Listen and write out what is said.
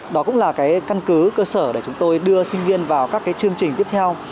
đó cũng là cái căn cứ cơ sở để chúng tôi đưa sinh viên vào các chương trình tiếp theo